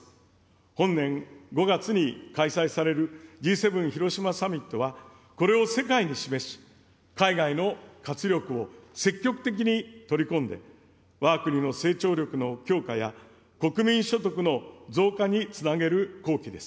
本年５月に開催されるＧ７広島サミットは、これを世界に示し、海外の活力を積極的に取り込んで、わが国の成長力の強化や国民所得の増加につなげる好機です。